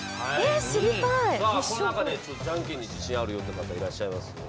じゃんけんに自信がある方いらっしゃしますか？